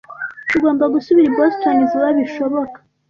Tugomba gusubira i Boston vuba bishoboka.